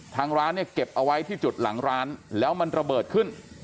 ทางร้านเนี่ยเก็บเอาไว้ที่จุดหลังร้านแล้วมันระเบิดขึ้น